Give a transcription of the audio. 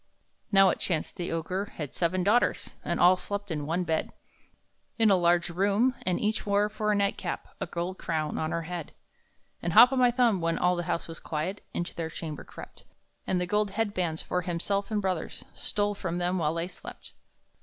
Now it so chanced the Ogre had seven daughters, And all slept in one bed, In a large room, and each wore for a nightcap A gold crown on her head. And Hop o' my Thumb, when all the house was quiet, Into their chamber crept, And the gold head bands for himself and brothers Stole from them while they slept.